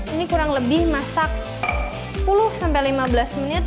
ini kurang lebih masak sepuluh sampai lima belas menit